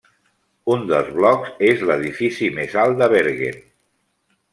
Un dels blocs és l'edifici més alt de Bergen.